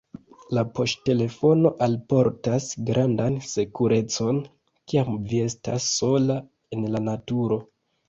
La poŝtelefono alportas grandan sekurecon, kiam vi estas sola en la naturo.